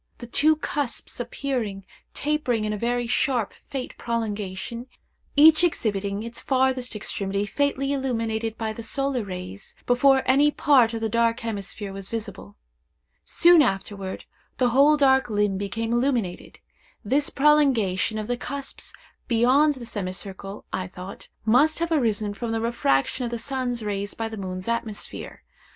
The two cusps appeared tapering in a very sharp faint prolongation, each exhibiting its farthest extremity faintly illuminated by the solar rays, before any part of the dark hemisphere was visible. Soon afterward, the whole dark limb became illuminated. This prolongation of the cusps beyond the semicircle, I thought, must have arisen from the refraction of the sun's rays by the moon's atmosphere.